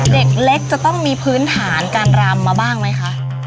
เด็กเล็กจะต้องมีพื้นฐานการรำมาบ้างไหมคะ